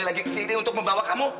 lagi ke sini untuk membawa kamu